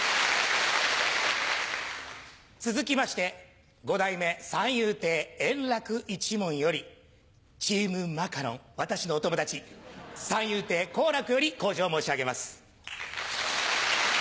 続きまして五代目三遊亭円楽一門よりチームマカロン私のお友達三遊亭好楽より口上を申し上げます。